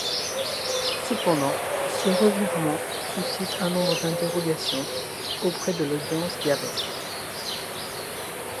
Cependant, ce revirement suscite un nombre d'interrogations auprès de l'audience gabber.